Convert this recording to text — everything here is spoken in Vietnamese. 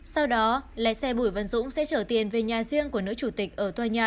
sau đó lái xe bùi văn dũng sẽ trở tiền về nhà riêng của nữ chủ tịch ở tòa nhà